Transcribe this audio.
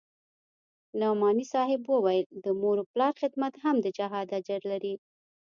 نعماني صاحب وويل د مور و پلار خدمت هم د جهاد اجر لري.